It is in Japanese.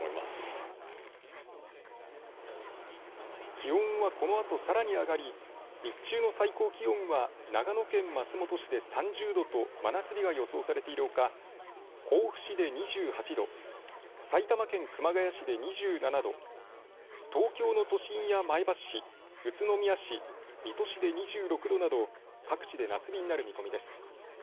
気温はこのあとさらに上がり日中の最高気温は長野県松本市で３０度と真夏日が予想されているほか、甲府市で２８度、埼玉県熊谷市で２７度、東京の都心や前橋市、宇都宮市、水戸市で２６度など各地で夏日になる見込みです。